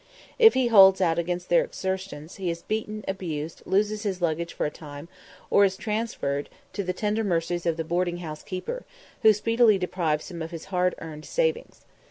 If he holds out against their extortions, he is beaten, abused, loses his luggage for a time, or is transferred to the tender mercies of the boarding house keeper, who speedily deprives him of his hard earned savings.